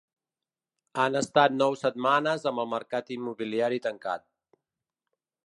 Han estat nou setmanes amb el mercat immobiliari tancat.